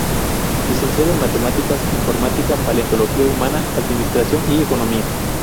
Licenciado en matemáticas, informática, paleontología humana, administración y economía.